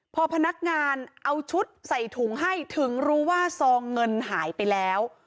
พอพนักงานเอาชุดใส่ถุงให้ถึงรู้ว่าซองเงินหายไปแล้ว